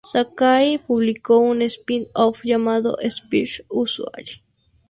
Sakai publicó un spin-off llamado Space Usagi.